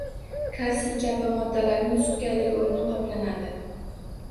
Kalsiy kabi moddalarning sutkalik oʻrni qoplanadi